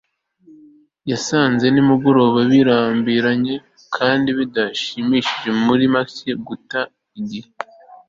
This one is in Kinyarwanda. yasanze nimugoroba birambiranye kandi bidashimishije, muri make, guta igihe